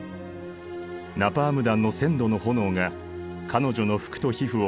ナパーム弾の１，０００度の炎が彼女の服と皮膚を焼き尽くした。